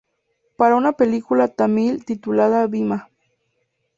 Para una película Tamil titulada "Bhima".